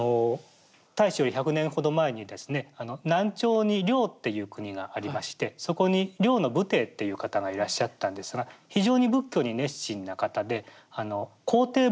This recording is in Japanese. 太子より１００年ほど前にですね南朝に梁っていう国がありましてそこに梁の武帝っていう方がいらっしゃったんですが非常に仏教に熱心な方で皇帝菩と呼ばれたんです。